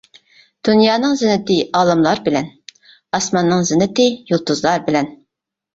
دۇنيانىڭ زىننىتى ئالىملار بىلەن، ئاسماننىڭ زىننىتى يۇلتۇزلار بىلەن.